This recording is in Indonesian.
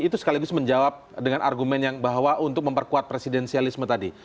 itu sekaligus menjawab dengan argumen yang bahwa untuk memperkuat presidensialisme tadi